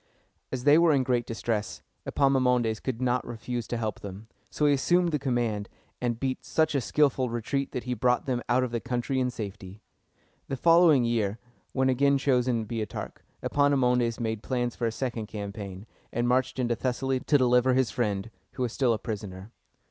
As they were in great distress, Epaminondas could not refuse to help them: so he assumed the command, and beat such a skillful retreat that he brought them out of the country in safety. The following year, when again chosen Boeotarch, Epaminondas made plans for a second campaign, and marched into Thessaly to deliver his friend, who was still a prisoner.